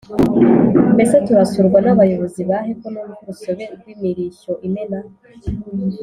mbese turasurwa n’abayozi bahe ko numva urusobe rw’imirishyo imena